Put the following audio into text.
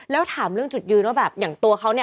แล้วถามเรื่องจุดยืนว่าแบบอย่างตัวเขาเนี่ย